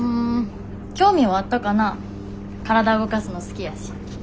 体動かすの好きやし。